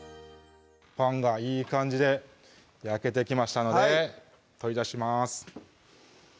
パンがいい感じで焼けてきましたので取り出します